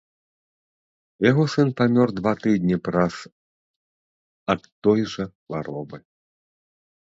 Яго сын памёр два тыдні праз ад той жа хваробы.